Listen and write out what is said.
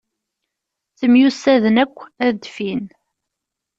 Ttemyussaden akk ad d-ffin.